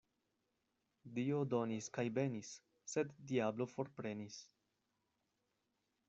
Dio donis kaj benis, sed diablo forprenis.